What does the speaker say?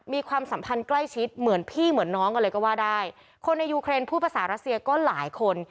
ความสัมพันธ์ใกล้ชิดเหมือนพี่เหมือนน้องกันเลยก็ว่าได้คนในยูเครนพูดภาษารัสเซียก็หลายคน